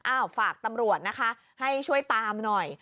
ฝากตำรวจนะคะให้ช่วยตามหน่อย